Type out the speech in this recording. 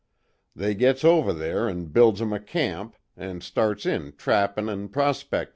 They gits over there an' builds 'em a camp, an' starts in trappin' an' prospectin'.